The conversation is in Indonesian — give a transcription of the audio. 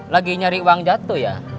lagi nyari uang jatuh ya